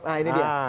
nah ini dia